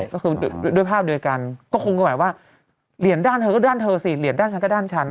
ก็คือด้วยภาพเดียวกันก็คงก็หมายว่าเหรียญด้านเธอก็ด้านเธอสิเหรียญด้านฉันก็ด้านฉัน